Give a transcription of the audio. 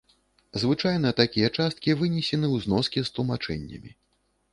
Звычайна, такія часткі вынесены ў зноскі з тлумачэннямі.